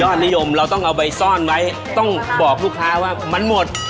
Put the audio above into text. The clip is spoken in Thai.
นิยมเราต้องเอาไปซ่อนไว้ต้องบอกลูกค้าว่ามันหมด